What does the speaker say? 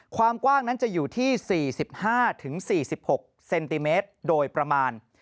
ความกว้างนั้นจะอยู่ที่๔๕๔๖เซนติเมตรโดยประมาณ